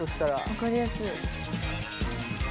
分かりやすい。